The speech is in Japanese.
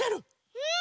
うん！